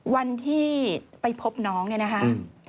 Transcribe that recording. วันที่ไปพบน้องเนี่ยนะคะ